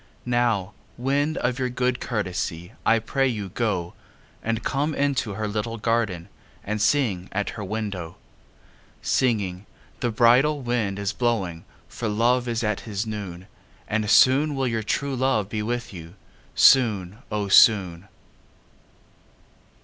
Now, wind, of your good courtesy I pray you go, And come into her little garden And sing at her window; Singing: The bridal wind is blowing For Love is at his noon; And soon will your true love be with you, Soon, O soon.